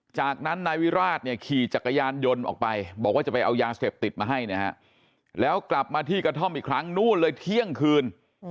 จากนั้นนายวิราชเนี่ยขี่จักรยานยนต์ออกไปบอกว่าจะไปเอายาเสพติดมาให้นะฮะแล้วกลับมาที่กระท่อมอีกครั้งนู่นเลยเที่ยงคืน